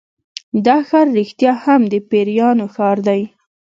دا ښار رښتیا هم د پیریانو ښار دی.